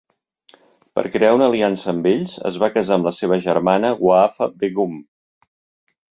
Per crear una aliança amb ells, es va casar amb la seva germana Wa'fa Begum.